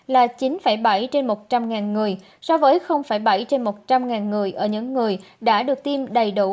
là chín bảy trên một trăm linh người so với bảy trên một trăm linh người ở những người đã được tiêm đầy đủ